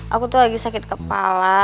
aku tuh lagi sakit kepala